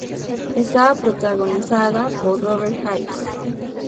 Estaba protagonizada por Robert Hays.